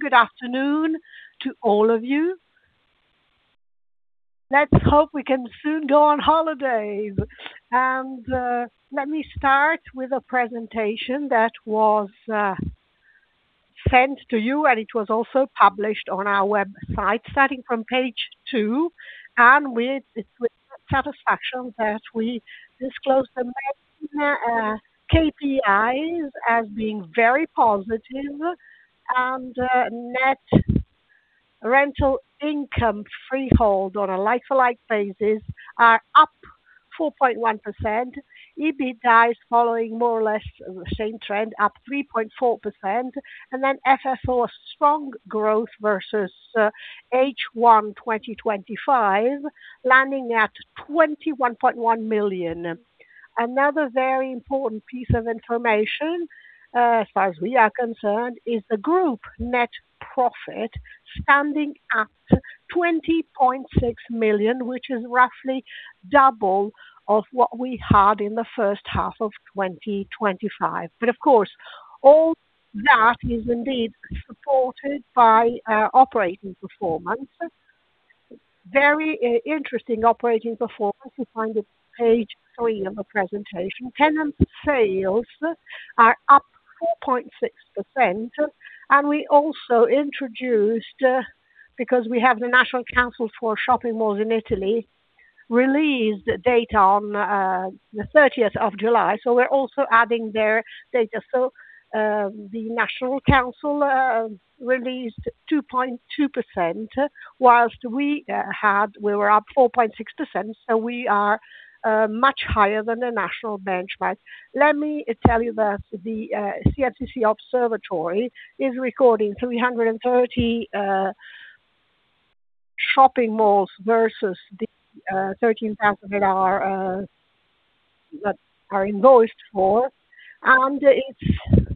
Good afternoon to all of you. Let's hope we can soon go on holiday. Let me start with a presentation that was sent to you, it was also published on our website, starting from page two, with satisfaction that we disclose the main KPIs as being very positive. Net Rental Income Freehold on a like-for-like basis are up 4.1%. EBITDA is following more or less the same trend, up 3.4%. FFO strong growth versus H1 2025, landing at 21.1 million. Another very important piece of information, as far as we are concerned, is the group net profit standing at 20.6 million, which is roughly double of what we had in the first half of 2025. Of course, all that is indeed supported by operating performance. Very interesting operating performance. You find it page three of the presentation. Tenant sales are up 4.6%. We also introduced, because we have the National Council of Shopping Malls in Italy, released data on the 30th of July, we are also adding their data. The CNCC released 2.2%, whilst we were up 4.6%, we are much higher than the national benchmark. Let me tell you that the CNCC Observatory is recording 330 shopping malls versus the 13,000 that are invoiced for, it is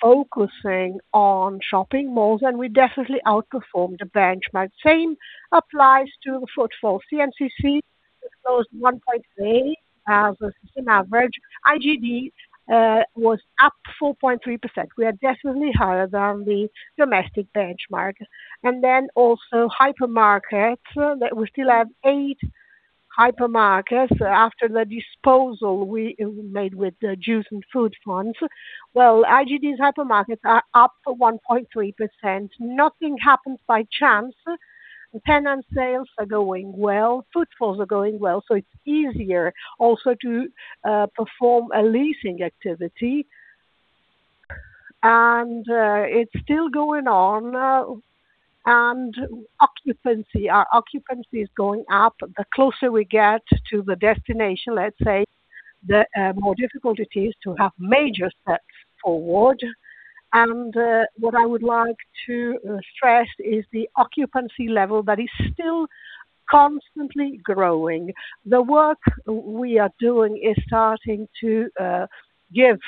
focusing on shopping malls, we definitely outperformed the benchmark. Same applies to the footfall. CNCC disclosed 1.3 as a system average. IGD was up 4.3%. We are definitely higher than the domestic benchmark. Also hypermarkets. We still have eight hypermarkets after the disposal we made with the Juice and Food Fund. IGD's hypermarkets are up 1.3%. Nothing happens by chance. Tenant sales are going well, footfalls are going well, it is easier also to perform a leasing activity. It is still going on, our occupancy is going up. The closer we get to the destination, let's say, the more difficult it is to have major steps forward. What I would like to stress is the occupancy level that is still constantly growing. The work we are doing is starting to give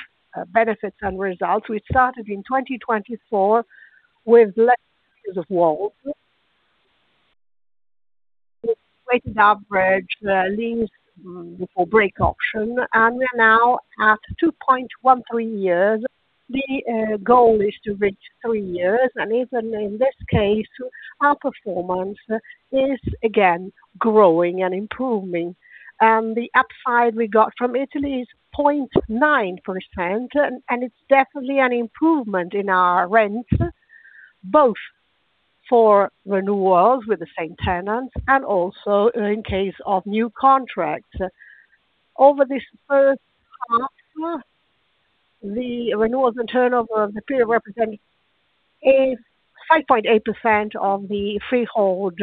benefits and results. We started in 2024 with less years of WAULT, with Weighted Average Lease to Break, we are now at 2.13 years. The goal is to reach three years, even in this case, our performance is again growing and improving. The upside we got from Italy is 0.9%, it is definitely an improvement in our rents, both for renewals with the same tenants, also in case of new contracts. Over this first half, the renewals and turnover of the period represented is 5.8% of the Freehold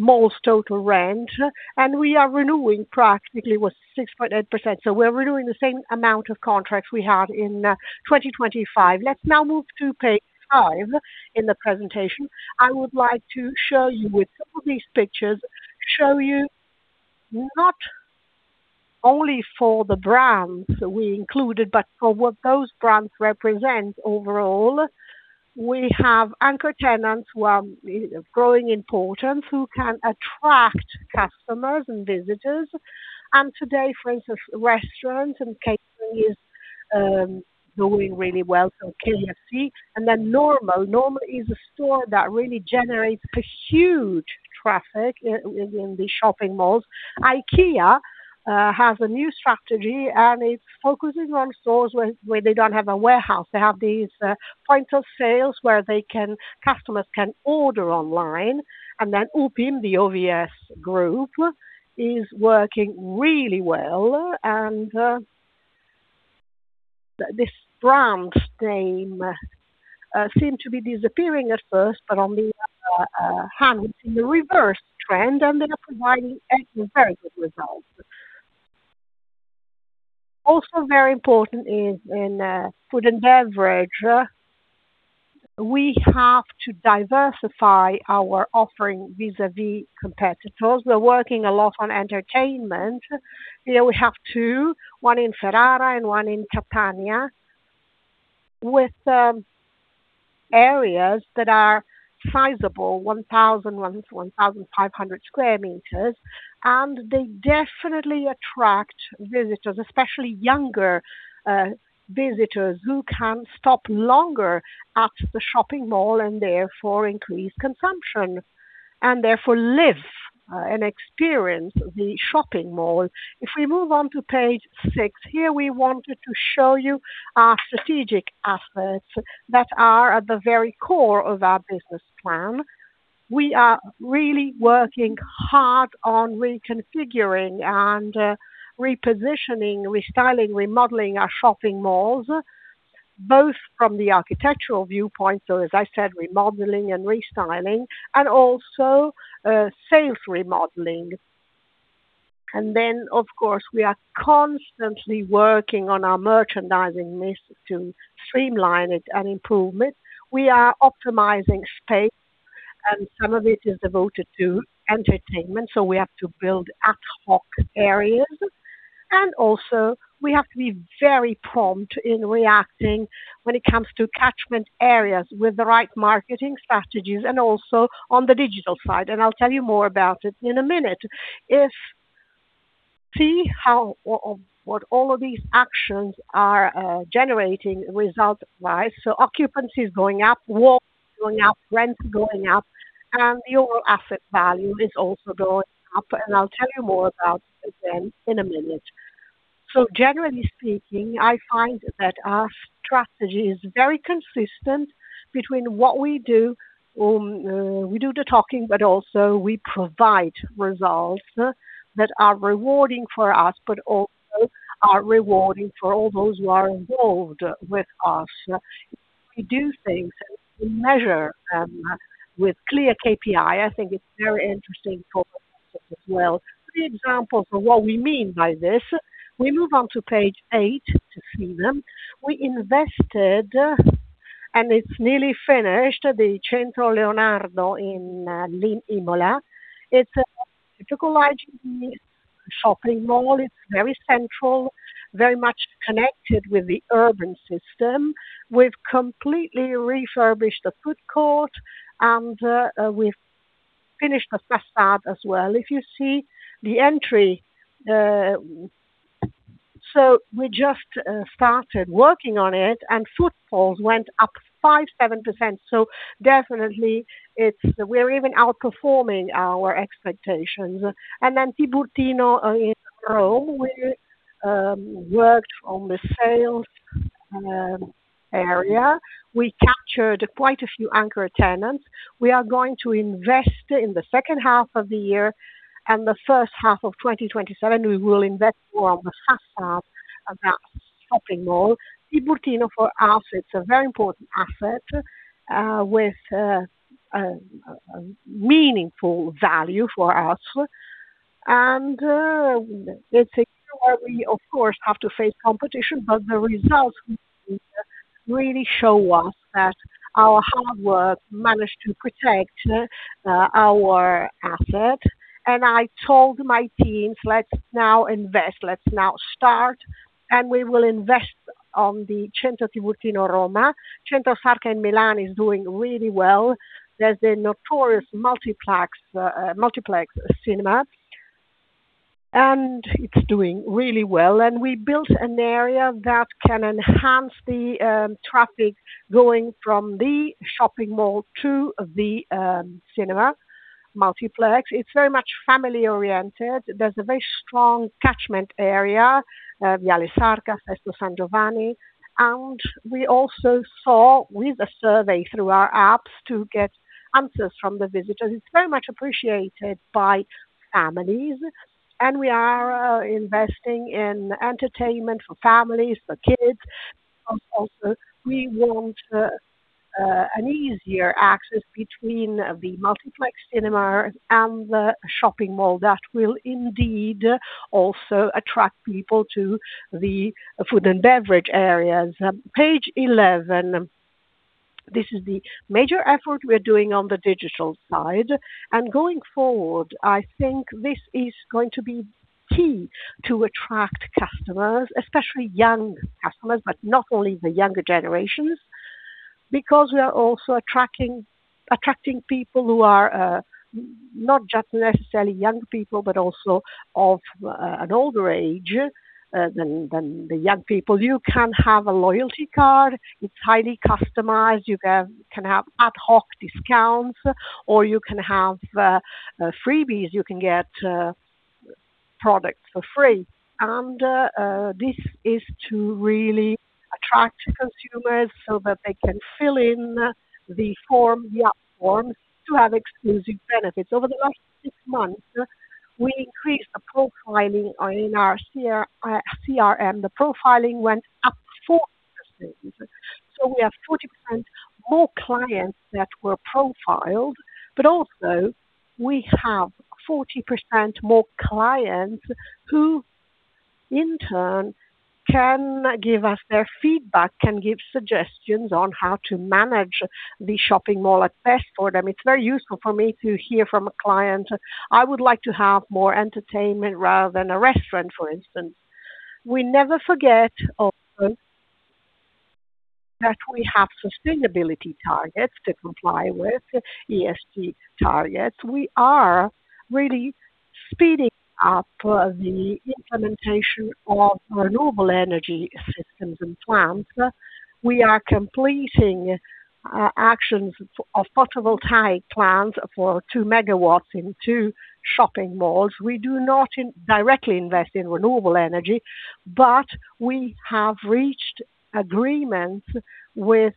malls' total rent, we are renewing practically with 6.8%. We are renewing the same amount of contracts we had in 2025. Let's now move to page five in the presentation. I would like to show you with some of these pictures, show you not only for the brands we included, but for what those brands represent overall. We have anchor tenants who are growing in importance, who can attract customers and visitors. Today, for instance, restaurants and catering is doing really well, KFC. Normal. Normal is a store that really generates a huge traffic in the shopping malls. IKEA has a new strategy, it is focusing on stores where they don't have a warehouse. They have these points of sales where customers can order online. UPIM, the OVS Group, is working really well. This brand's name seemed to be disappearing at first, but on the other hand, it's in the reverse trend, and they are providing very good results. Very important is in food and beverage. We have to diversify our offering vis-à-vis competitors. We're working a lot on entertainment. We have two, one in Ferrara and one in Catania, with areas that are sizable, 1,000, 1,500 sq m, and they definitely attract visitors, especially younger visitors who can stop longer at the shopping mall and therefore increase consumption, therefore live and experience the shopping mall. We move on to page six. Here we wanted to show you our strategic assets that are at the very core of our business plan. We are really working hard on reconfiguring and repositioning, restyling, remodeling our shopping malls, both from the architectural viewpoint, so as I said, remodeling and restyling, and also sales remodeling. Of course, we are constantly working on our merchandising mix to streamline it and improve it. We are optimizing space. Some of it is devoted to entertainment, so we have to build ad hoc areas. Also we have to be very prompt in reacting when it comes to catchment areas with the right marketing strategies and also on the digital side. I'll tell you more about it in a minute. See what all of these actions are generating result-wise. Occupancy is going up, WAULT is going up, rent is going up, and the overall asset value is also going up. I'll tell you more about them in a minute. Generally speaking, I find that our strategy is very consistent between what we do. We do the talking, but also we provide results that are rewarding for us, but also are rewarding for all those who are involved with us. We do things. We measure with clear KPI. I think it's very interesting for the as well. The example for what we mean by this. We move on to page eight to see them. We invested, and it's nearly finished, the Centro Leonardo in Imola. It's a shopping mall. It's very central, very much connected with the urban system. We've completely refurbished the food court and we've finished the façade as well. You see the entry. We just started working on it and footfalls went up 5%-7%. Definitely we are even outperforming our expectations. Tiburtino in Rome, we worked on the sales area. We captured quite a few anchor tenants. We are going to invest in the second half of the year. The first half of 2027, we will invest more on the façade of that shopping mall. Tiburtino, for us, it's a very important asset with a meaningful value for us. Let's say we, of course, have to face competition, but the results really show us that our hard work managed to protect our asset. I told my teams, "Let's now invest. Let's now start, and we will invest on the Centro Tiburtino Roma." Centro Sarca in Milan is doing really well. There's a notorious multiplex cinema, and it's doing really well. We built an area that can enhance the traffic going from the shopping mall to the cinema multiplex. It's very much family-oriented. There's a very strong catchment area, Viale Sarca, Sesto San Giovanni. We also saw with a survey through our apps to get answers from the visitors. It's very much appreciated by families, and we are investing in entertainment for families, for kids. We want an easier access between the multiplex cinema and the shopping mall that will indeed also attract people to the food and beverage areas. Page 11, this is the major effort we are doing on the digital side. Going forward, I think this is going to be key to attract customers, especially young customers, but not only the younger generations, because we are also attracting people who are not just necessarily young people but also of an older age than the young people. You can have a loyalty card. It's highly customized. You can have ad hoc discounts, or you can have freebies. You can get products for free. This is to really attract consumers so that they can fill in the app forms to have exclusive benefits. Over the last six months, we increased the profiling in our CRM. The profiling went up 40%, so we have 40% more clients that were profiled, but also we have 40% more clients who in turn can give us their feedback, can give suggestions on how to manage the shopping mall at best for them. It's very useful for me to hear from a client, "I would like to have more entertainment rather than a restaurant," for instance. We never forget also that we have sustainability targets to comply with, ESG targets. We are really speeding up the implementation of renewable energy systems and plans. We are completing our actions of photovoltaic plants for two megawatts in two shopping malls. We do not directly invest in renewable energy, but we have reached agreements with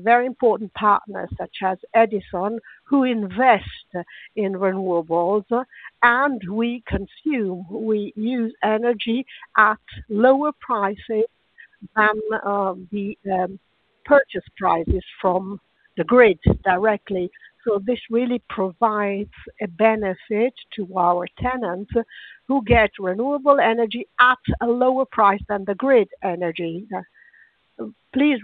very important partners such as Edison, who invest in renewables, and we use energy at lower prices than the purchase prices from the grid directly. This really provides a benefit to our tenants who get renewable energy at a lower price than the grid energy. Please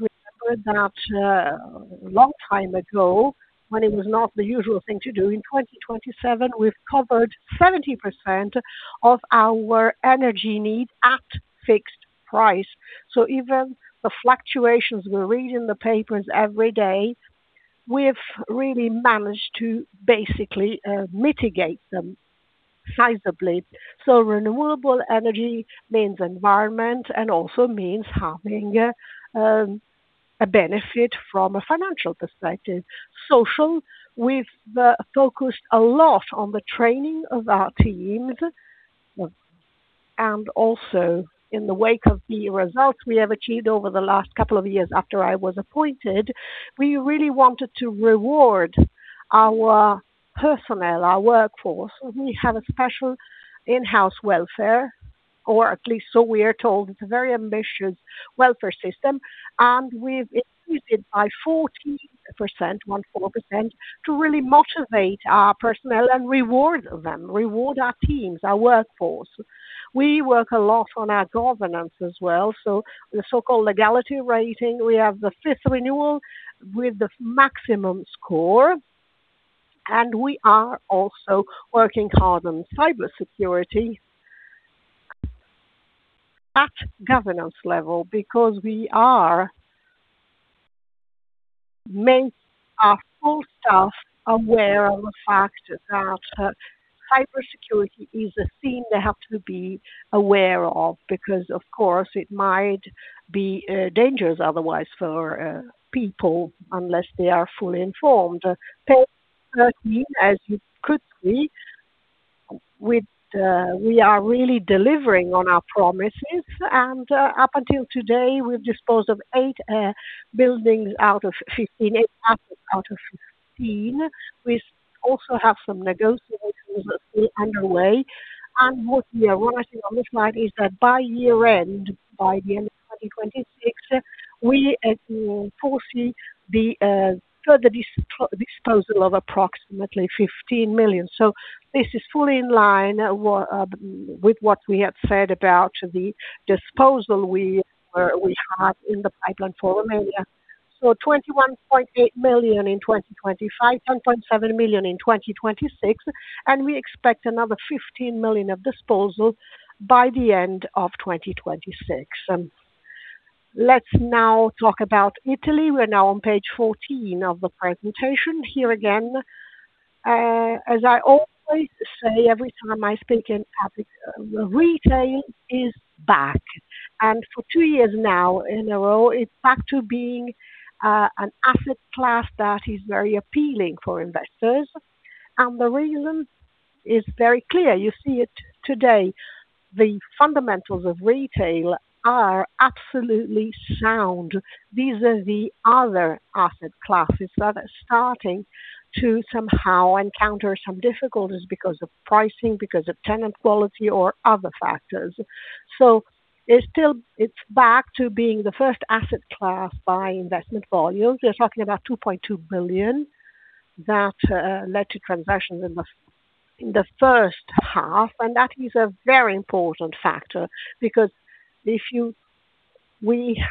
remember that a long time ago, when it was not the usual thing to do in 2027, we've covered 70% of our energy needs at fixed price. Even the fluctuations we read in the papers every day, we've really managed to basically mitigate them sizably. Renewable energy means environment and also means having a benefit from a financial perspective. Social, we've focused a lot on the training of our teams. Also in the wake of the results we have achieved over the last couple of years after I was appointed, we really wanted to reward our personnel, our workforce. We have a special in-house welfare, or at least so we are told, it's a very ambitious welfare system, and we've increased it by 14% to really motivate our personnel and reward them, reward our teams, our workforce. We work a lot on our governance as well. The so-called Legality Rating, we have the fifth renewal with the maximum score, we are also working hard on cybersecurity at governance level because we are make our full staff aware of the fact that cybersecurity is a theme they have to be aware of, because, of course, it might be dangerous otherwise for people unless they are fully informed. Page 13, as you could see, we are really delivering on our promises, up until today, we've disposed of eight buildings out of 15, eight assets out of 15. We also have some negotiations that are still underway. What we are writing on this slide is that by year-end, by the end of 2026, we foresee the further disposal of approximately 15 million. This is fully in line with what we have said about the disposal we have in the pipeline for Romania. 21.8 million in 2025, 10.7 million in 2026, we expect another 15 million of disposals by the end of 2026. Let's now talk about Italy. We're now on page 14 of the presentation. Here again, as I always say every time I speak in public, retail is back, for two years now in a row, it's back to being an asset class that is very appealing for investors, and the reason is very clear. You see it today. The fundamentals of retail are absolutely sound. These are the other asset classes that are starting to somehow encounter some difficulties because of pricing, because of tenant quality or other factors. It's back to being the first asset class by investment volumes. We are talking about 2.2 billion that led to transactions in the first half, that is a very important factor because we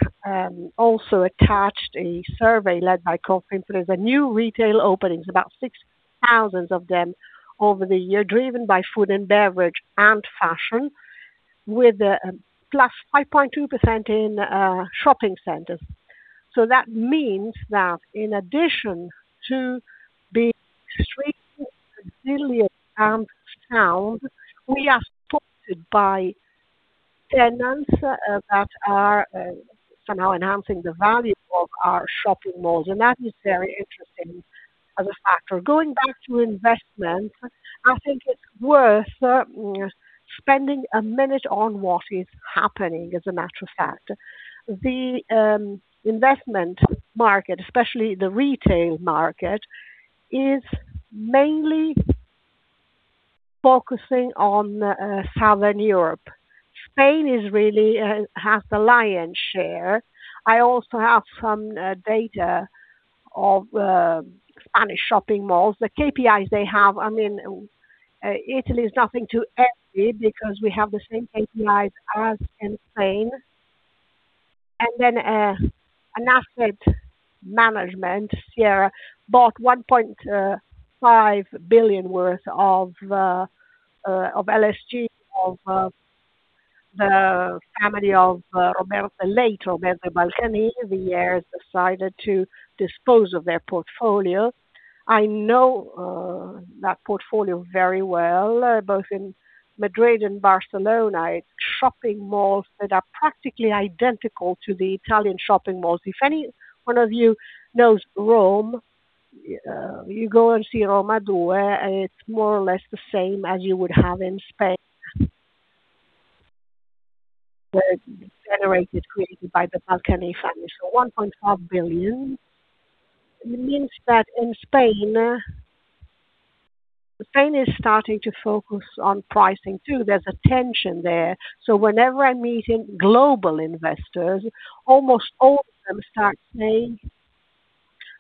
also attached a survey led by Confimprese that there's a new retail openings, about 6,000 of them over the year, driven by food and beverage and fashion, with a +5.2% in shopping centers. That means that in addition to being extremely resilient and sound, we are supported by tenants that are somehow enhancing the value of our shopping malls, and that is very interesting as a factor. Going back to investment, I think it's worth spending a minute on what is happening, as a matter of fact. The investment market, especially the retail market, is mainly focusing on Southern Europe. Spain really has the lion's share. I also have some data of Spanish shopping malls, the KPIs they have. I mean, Italy is nothing to envy because we have the same KPIs as in Spain. An asset management, Sierra, bought 1.5 billion worth of LSG of the family of the late Roberto Baleni. The heirs decided to dispose of their portfolio. I know that portfolio very well, both in Madrid and Barcelona. It's shopping malls that are practically identical to the Italian shopping malls. If any one of you knows Rome, you go and see RomaEst, it's more or less the same as you would have in Spain. Were generated, created by the Baleni family. 1.5 billion means that in Spain is starting to focus on pricing, too. There's a tension there. Whenever I'm meeting global investors, almost all of them start saying,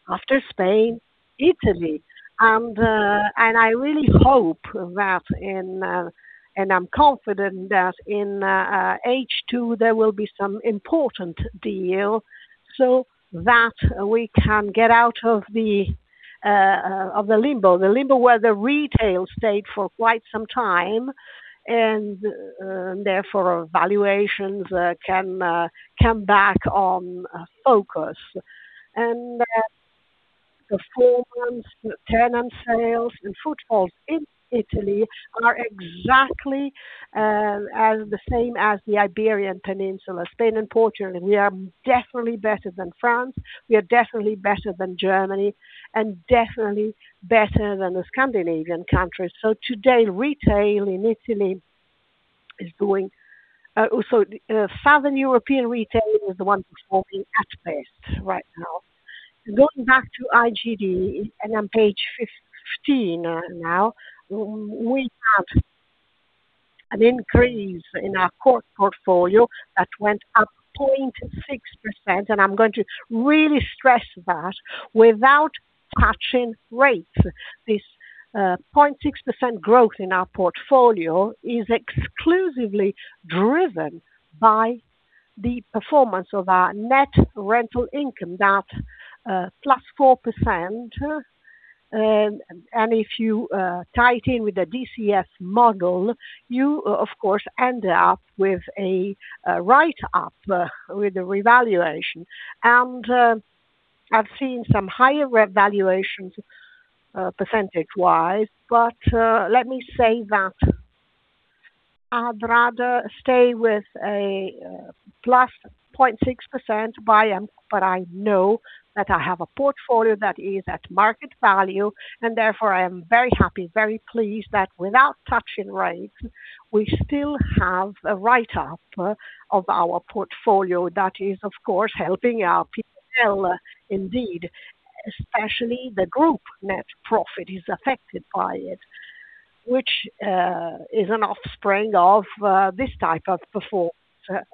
"After Spain, Italy." I really hope, and I'm confident that in H2, there will be some important deal so that we can get out of the limbo. The limbo where the retail stayed for quite some time, and therefore valuations can come back on focus. The performance, the tenant sales, and footfalls in Italy are exactly the same as the Iberian Peninsula, Spain and Portugal. We are definitely better than France, we are definitely better than Germany, and definitely better than the Scandinavian countries. Today, retail in Italy is going Also, Southern European retail is the one performing at best right now. Going back to IGD, on page 15 now, we have an increase in our core portfolio that went up 0.6%, and I'm going to really stress that, without touching rates. This 0.6% growth in our portfolio is exclusively driven by the performance of our Net Rental Income, that plus 4%. If you tie it in with the DCF model, you of course end up with a write-up with the revaluation. I've seen some higher valuations percentage-wise, but let me say that I'd rather stay with a plus 0.6% buy-in, but I know that I have a portfolio that is at market value, and therefore, I am very happy, very pleased that without touching rates, we still have a write-up of our portfolio that is, of course, helping our P&L indeed, especially the group net profit is affected by it, which is an offspring of this type of performance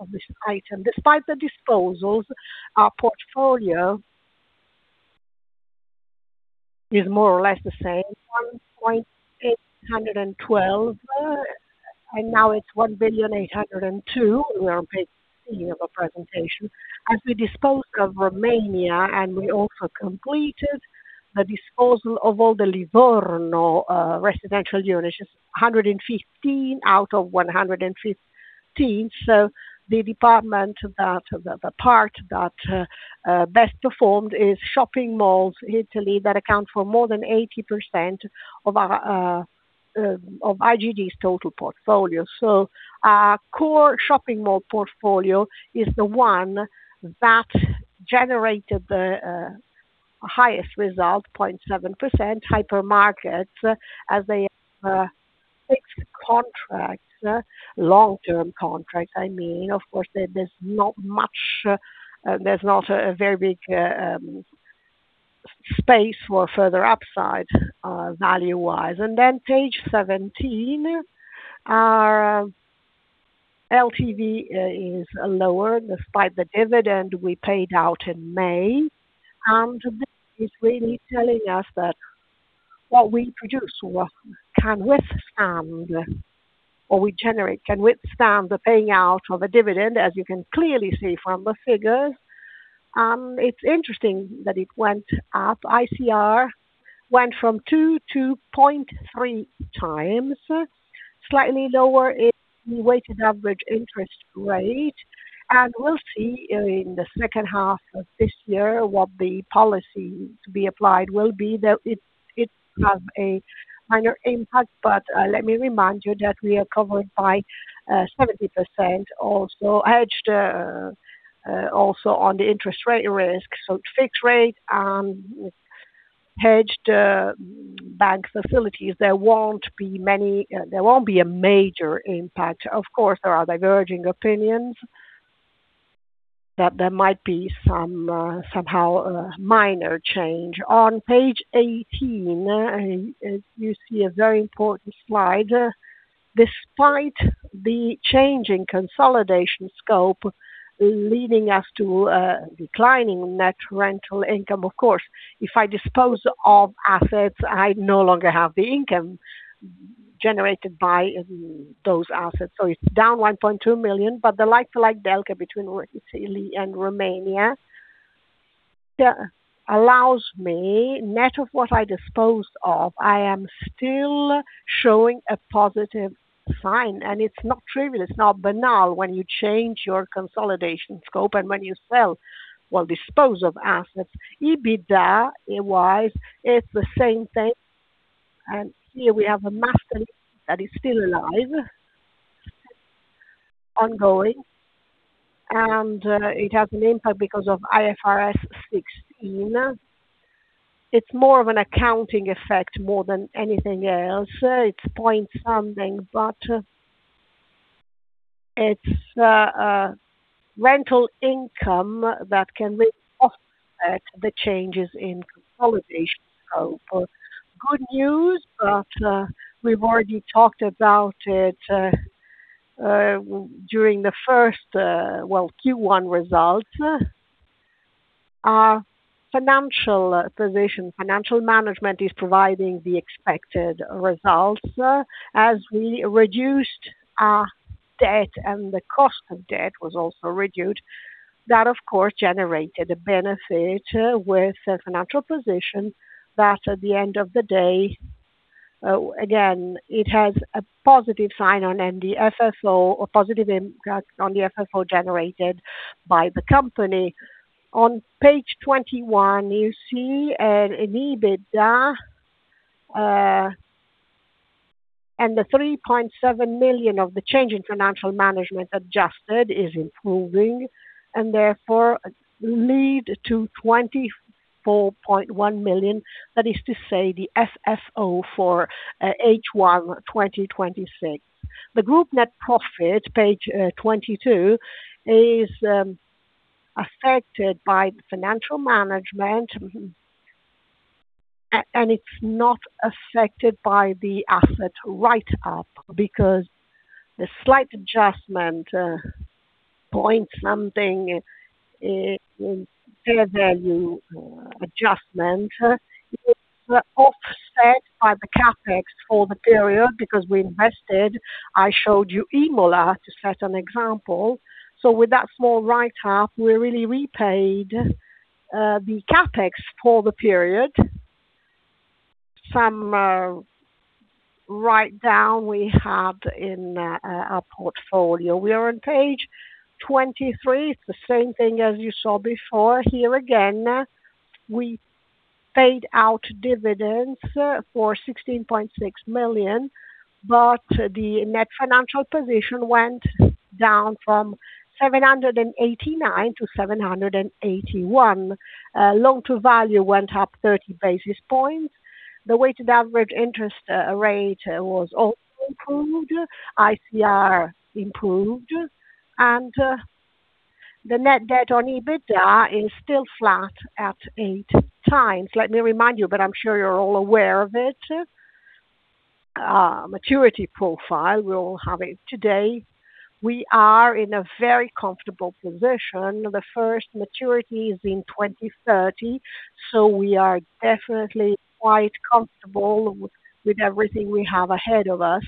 of this item. Despite the disposals, our portfolio is more or less the same, 1.812 billion, and now it's 1.802 billion. We are on page 16 of our presentation. As we disposed of Romania, we also completed the disposal of all the Livorno residential units, just 115 out of 115. The department, the part that best performed is shopping malls Italy that account for more than 80% of IGD's total portfolio. Our core shopping mall portfolio is the one that generated the highest result, 0.7%, hypermarkets, as they have fixed contracts, long-term contracts, I mean. Of course, there's not a very big space for further upside value-wise. On page 17, our LTV is lower despite the dividend we paid out in May. This is really telling us that what we produce can withstand, or we generate, can withstand the paying out of a dividend, as you can clearly see from the figures. It's interesting that it went up. ICR went from 2-0.3x. Slightly lower is the weighted average interest rate. We'll see in the second half of this year what the policy to be applied will be. It will have a minor impact, but let me remind you that we are covered by 70%, also hedged also on the interest rate risk. Fixed rate and hedged bank facilities, there won't be a major impact. Of course, there are diverging opinions, that there might be somehow a minor change. On page 18, you see a very important slide. Despite the change in consolidation scope leading us to a decline in Net Rental Income, of course, if I dispose of assets, I no longer have the income. Generated by those assets. It's down 1.2 million, but the like-for-like delta between Italy and Romania allows me, net of what I dispose of, I am still showing a positive sign, and it's not trivial. It's not banal when you change your consolidation scope and when you sell or dispose of assets. EBITDA-wise, it's the same thing, here we have a master lease that is still alive, ongoing, and it has an impact because of IFRS 16. It's more of an accounting effect more than anything else. It's point something, but it's a rental income that can really offset the changes in consolidation scope. Good news, we've already talked about it during the first Q1 results. Our financial position, financial management is providing the expected results. As we reduced our debt, and the cost of debt was also reduced, that of course generated a benefit with the financial position that, at the end of the day, again, it has a positive sign on the FFO, or positive impact on the FFO generated by the company. On page 21, you see in EBITDA, the 3.7 million of the change in financial management adjusted is improving, therefore lead to 24.1 million. That is to say, the FFO for H1 2026. The group net profit, page 22, is affected by the financial management. It's not affected by the asset write-up, because the slight adjustment, point something, in fair value adjustment, it was offset by the CapEx for the period because we invested. I showed you Imola to set an example. With that small write-up, we really repaid the CapEx for the period, some write-down we had in our portfolio. We are on page 23. It's the same thing as you saw before. Here again, we paid out dividends for 16.6 million, the net financial position went down from 789 to 781. Loan-to-value went up 30 basis points. The weighted average interest rate was also improved. ICR improved, the net debt to EBITDA is still flat at 8x. Let me remind you, I'm sure you're all aware of it, maturity profile. We all have it today. We are in a very comfortable position. The first maturity is in 2030, we are definitely quite comfortable with everything we have ahead of us.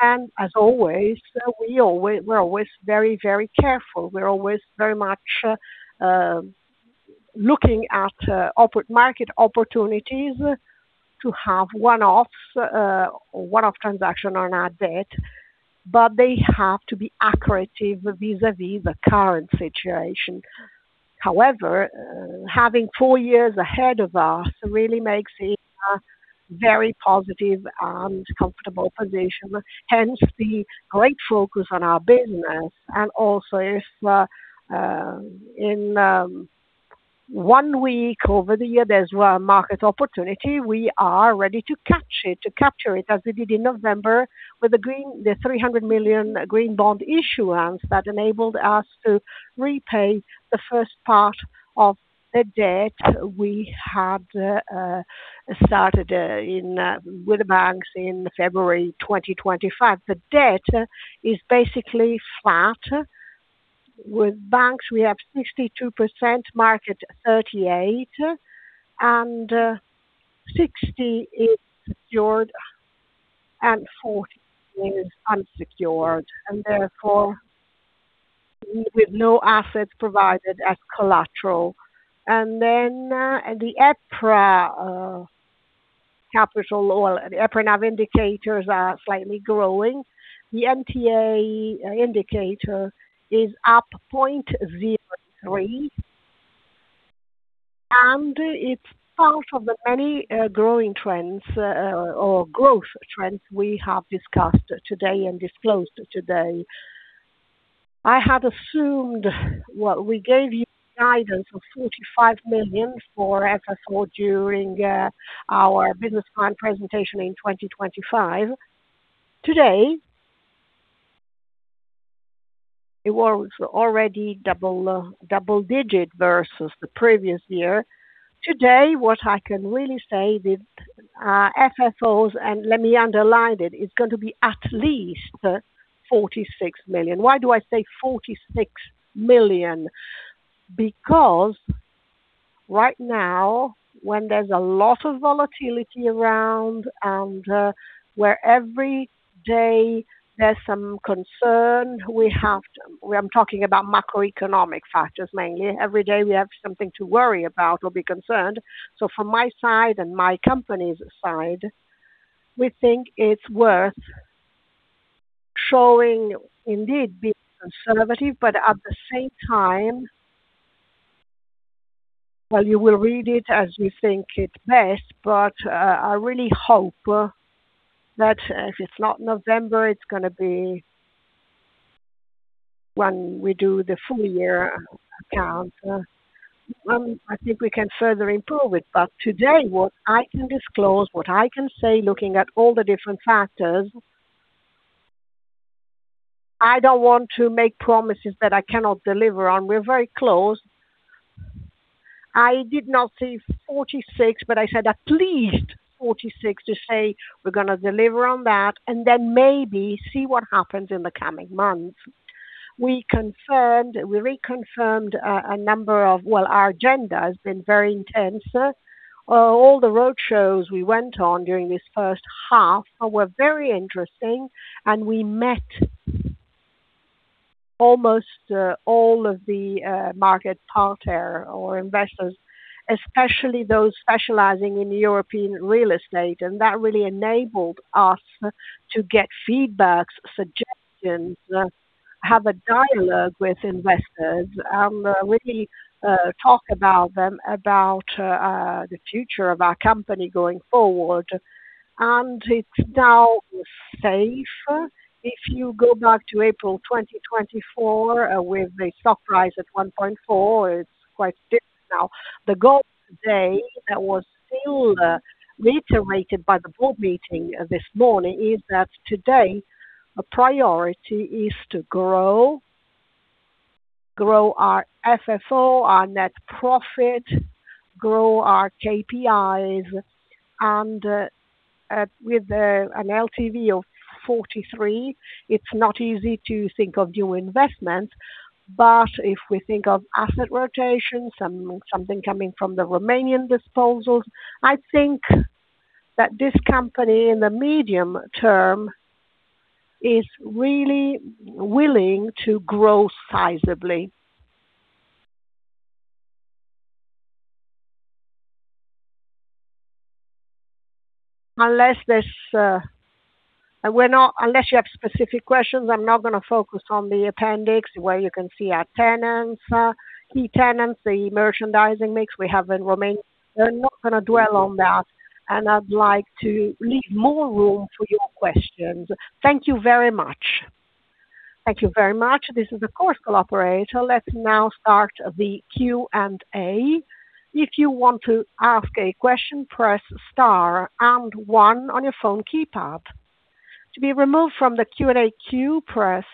As always, we're always very careful. We're always very much looking at market opportunities to have one-offs, or one-off transaction on our debt, they have to be accretive vis-à-vis the current situation. However, having four years ahead of us really makes it a very positive and comfortable position, hence the great focus on our business, also if in one week, over the year, there's market opportunity, we are ready to capture it as we did in November with the 300 million green bond issuance that enabled us to repay the first part of the debt we had started with the banks in February 2025. The debt is basically flat. With banks, we have 62%, market 38%, and 60% is secured, and 40% is unsecured, and therefore with no assets provided as collateral. Then the EPRA capital, or the EPRA NAV indicators are slightly growing. The NTA indicator is up 0.03, it's part of the many growing trends, or growth trends, we have discussed today and disclosed today. Well, we gave you guidance of 45 million for FFO during our business plan presentation in 2025. Today, it was already double-digit versus the previous year. Today, what I can really say with our FFOs, and let me underline it's going to be at least 46 million. Why do I say 46 million? Right now, when there's a lot of volatility around, and where every day there's some concern we have, I'm talking about macroeconomic factors, mainly. Every day we have something to worry about or be concerned. From my side and my company's side, we think it's worth showing, indeed, being conservative, but at the same time Well, you will read it as you think it's best, but I really hope that if it's not November, it's going to be when we do the full year account. I think we can further improve it. Today, what I can disclose, what I can say, looking at all the different factors, I don't want to make promises that I cannot deliver on. We're very close. I did not say 46, but I said at least 46 to say we're going to deliver on that, and then maybe see what happens in the coming months. We reconfirmed a number of Well, our agenda has been very intense. All the road shows we went on during this first half were very interesting, and we met almost all of the market parties or investors, especially those specializing in European real estate, and that really enabled us to get feedback, suggestions, have a dialogue with investors, and really talk about them, about the future of our company going forward. It's now safe. If you go back to April 2024 with a stock rise at 1.4, it's quite different now. The goal today that was still reiterated by the board meeting this morning is that today our priority is to grow our FFO, our net profit, grow our KPIs, and with an LTV of 43%, it's not easy to think of new investments. If we think of asset rotation, something coming from the Romanian disposals, I think that this company, in the medium term, is really willing to grow sizably. Unless you have specific questions, I'm not going to focus on the appendix where you can see our tenants, key tenants, the merchandising mix we have in Romania. We're not going to dwell on that, and I'd like to leave more room for your questions. Thank you very much. Thank you very much. This is the Call Operator. Let's now start the Q&A. If you want to ask a question, press star one on your phone keypad. To be removed from the Q&A queue, press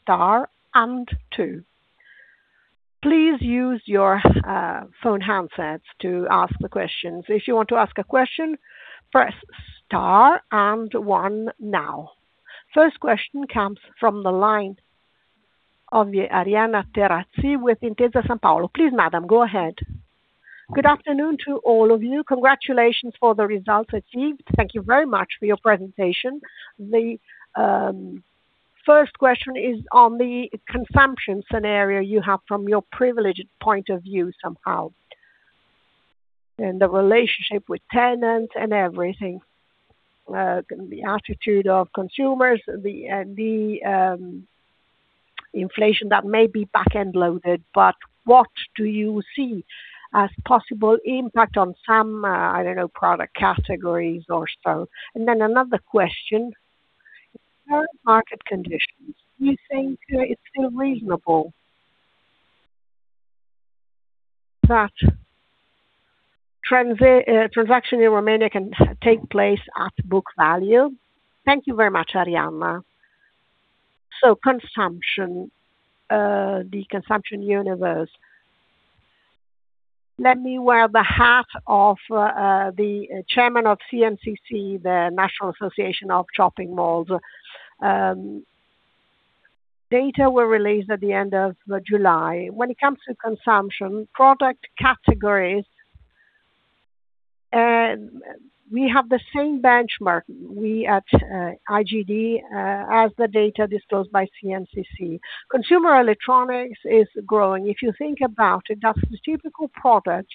star two Please use your phone handsets to ask the questions. If you want to ask a question, press star one now. First question comes from the line of Arianna Terazzi with Intesa Sanpaolo. Please, madam, go ahead. Good afternoon to all of you. Congratulations for the results achieved. Thank you very much for your presentation. The first question is on the consumption scenario you have from your privileged point of view somehow, and the relationship with tenants and everything, the attitude of consumers, the inflation that may be back-end loaded, but what do you see as possible impact on some, I don't know, product categories or so? Then another question. In current market conditions, do you think it is still reasonable that transaction in Romania can take place at book value? Thank you very much, Arianna. Consumption, the consumption universe. Let me wear the hat of the chairman of CNCC, the National Council of Shopping Malls. Data were released at the end of July. When it comes to consumption, product categories, we have the same benchmark. We at IGD, as the data disclosed by CNCC. Consumer electronics is growing. If you think about it, that is the typical product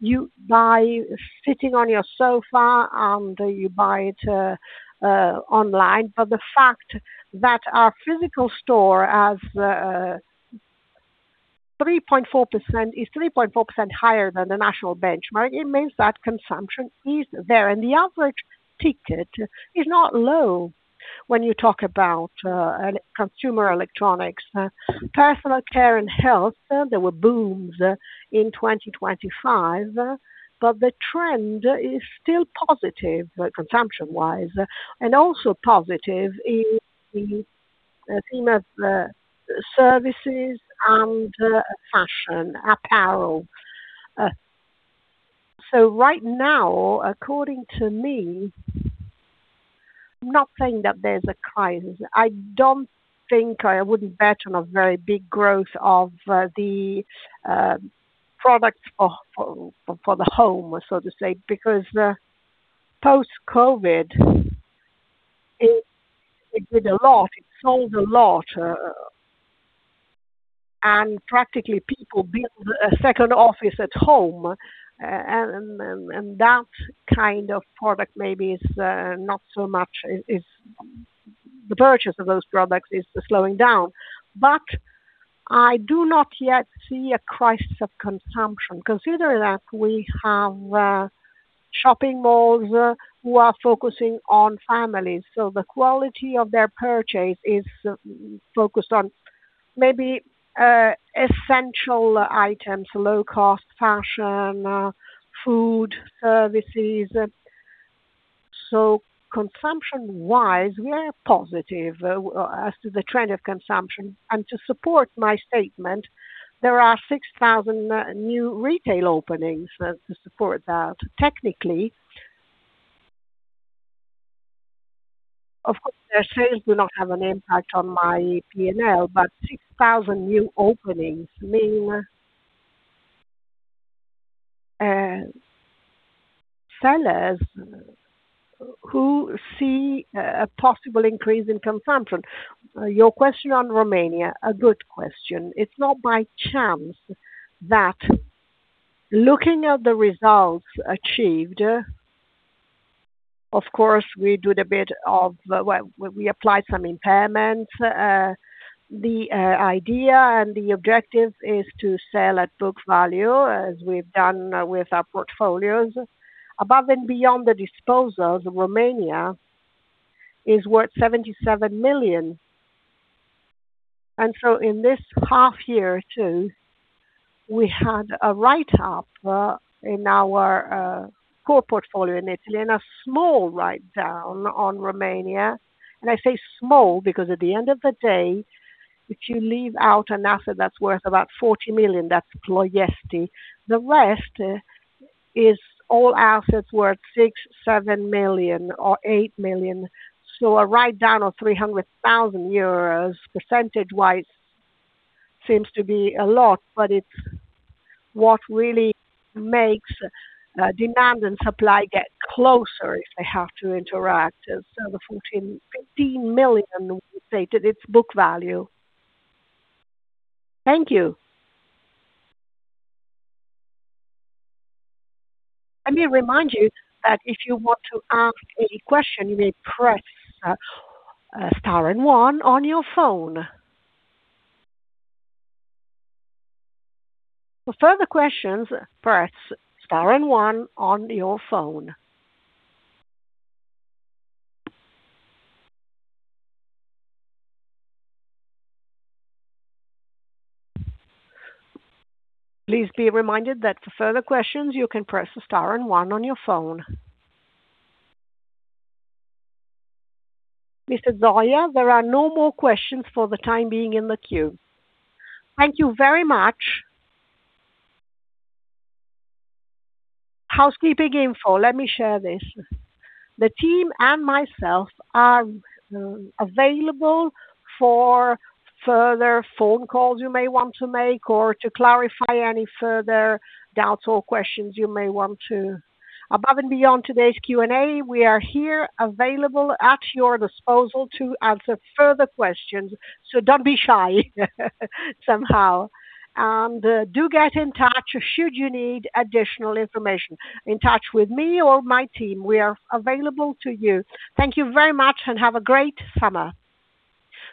you buy sitting on your sofa, and you buy it online. The fact that our physical store is 3.4% higher than the national benchmark, it means that consumption is there, and the average ticket is not low when you talk about consumer electronics. Personal care and health, there were booms in 2025, but the trend is still positive consumption-wise, and also positive in the theme of services and fashion apparel. Right now, according to me I am not saying that there is a crisis. I wouldn't bet on a very big growth of the products for the home, so to say, because post-COVID, it did a lot. It sold a lot, and practically people build a second office at home, and that kind of product maybe the purchase of those products is slowing down. I do not yet see a crisis of consumption considering that we have shopping malls who are focusing on families, so the quality of their purchase is focused on maybe essential items, low-cost fashion, food services. Consumption-wise, we are positive as to the trend of consumption. To support my statement, there are 6,000 new retail openings to support that. Technically, of course, their sales do not have an impact on my P&L, but 6,000 new openings mean sellers who see a possible increase in consumption. Your question on Romania, a good question. It is not by chance that looking at the results achieved, of course, we applied some impairments. The idea and the objective is to sell at book value as we have done with our portfolios. Above and beyond the disposals, Romania is worth 77 million. In this half year too, we had a write-up in our core portfolio in Italy and a small write-down on Romania. I say small because at the end of the day, if you leave out an asset that is worth about 40 million, that is Ploiesti, the rest is all assets worth 6 million, 7 million or 8 million. A write-down of 300,000 euros percentage-wise seems to be a lot, but it is what really makes demand and supply get closer if they have to interact. The 15 million we say to its book value. Thank you. Let me remind you that if you want to ask any question, you may press star and one on your phone. For further questions, press star and one on your phone. Please be reminded that for further questions, you can press star and one on your phone. Mrs. Zoia, there are no more questions for the time being in the queue. Thank you very much. Housekeeping info. Let me share this. The team and myself are available for further phone calls you may want to make or to clarify any further doubts or questions you may want to. Above and beyond today's Q&A, we are here available at your disposal to answer further questions. Don't be shy somehow, and do get in touch should you need additional information, in touch with me or my team. We are available to you. Thank you very much and have a great summer.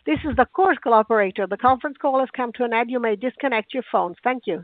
This is the conference call operator. The conference call has come to an end. You may disconnect your phones. Thank you.